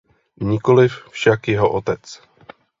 Nikoliv však jeho otec.